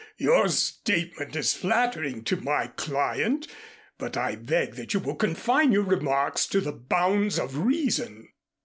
Your statement is flattering to my client, but I beg that you will confine your remarks to the bounds of reason."